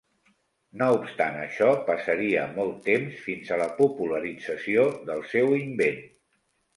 No obstant això passaria molt temps fins a la popularització del seu invent.